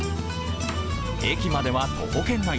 駅までは徒歩圏内。